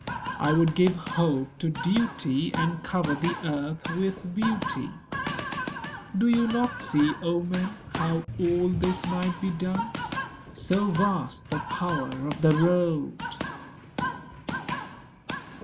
I would give hope to duty, And cover the earth with beauty. Do you not see, O men! how all this might be done? So vast the power of the Road!